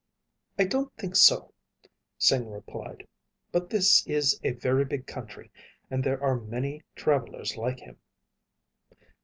"I don't think so," Sing replied. "But this is a very big country and there are many travelers like him."